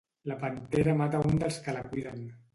La pantera mata un dels que la cuiden.